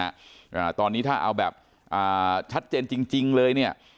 อ่าตอนนี้ถ้าเอาแบบอ่าชัดเจนจริงจริงเลยเนี้ย